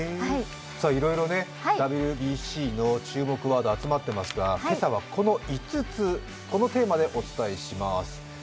いろいろＷＢＣの注目ワード、集まっていますが今朝はこの５つ、このテーマでお伝えします。